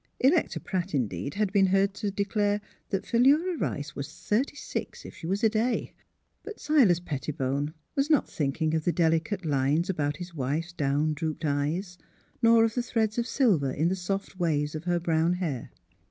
Electa Pratt, indeed, had been heard to declare that Philura Rice was thirty six, if she was a day. But Silas Pettibone was not thinking of the delicate lines about his wife's down drooped eyes, nor of the threads of silver in the soft waves of her brown hair.